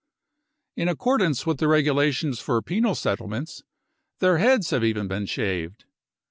In accordance with the regulations for penal settlements, their heads have even been shaved.